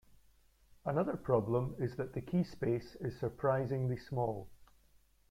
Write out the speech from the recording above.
Another problem is that the keyspace is surprisingly small.